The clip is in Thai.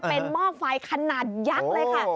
เป็นหม้อไฟขนาดยักษ์เลยค่ะ